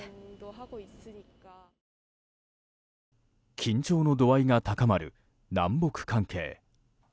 緊張の度合いが高まる南北関係。